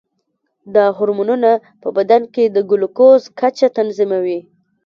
دا هورمونونه په بدن کې د ګلوکوز کچه تنظیموي.